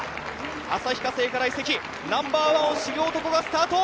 旭化成から移籍、ナンバーワンを知る男がスタート。